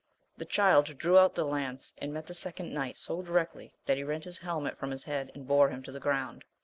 The Child drew out the lance and met the second knight so directly that he rent his helmet from his head and bore him to the ground.